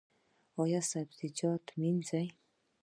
ایا سبزیجات مینځئ؟